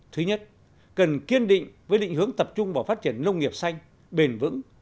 thứ nhất cần kiên định với định hướng tập trung vào phát triển nông nghiệp xanh bền vững